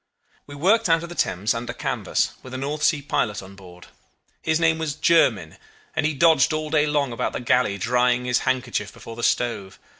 "We worked out of the Thames under canvas, with a North Sea pilot on board. His name was Jermyn, and he dodged all day long about the galley drying his handkerchief before the stove.